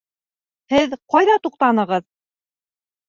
Һеҙ ҡайҙа туҡтанығыҙ?